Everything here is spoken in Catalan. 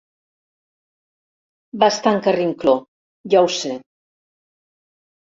Bastant carrincló, ja ho sé.